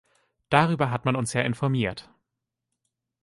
Darüber hat man uns ja informiert.